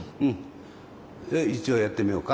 一応やってみようか。